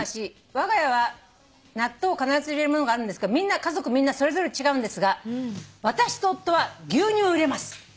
わが家は納豆必ず入れるものがあるんですが家族みんなそれぞれ違うんですが私と夫は牛乳を入れます。